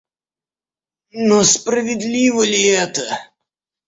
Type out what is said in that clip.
Но справедливо ли это?..